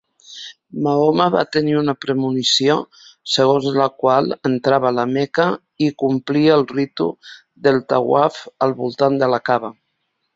Mahoma va tenir una premonició segons la qual entrava la Meca i complia el ritu del tawaf al voltant de la Kaba.